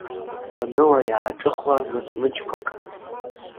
Гәаныла иааҿыхуа мыҵмыџьқәак.